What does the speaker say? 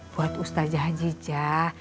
buat ustaz jahajijah